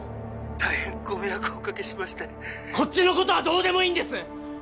☎大変ご迷惑をおかけしましてこっちのことはどうでもいいんです！